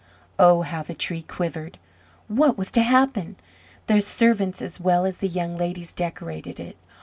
Oh, how the Tree quivered! What was to happen? The servants, as well as the young ladies, decorated it.